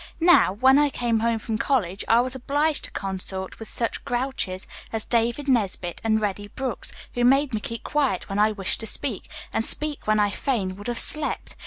"Now, when I came home from college I was obliged to consort with such grouches as David Nesbit and Reddy Brooks, who made me keep quiet when I wished to speak, and speak when I fain would have slept.